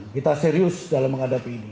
kita serius dalam menghadapi ini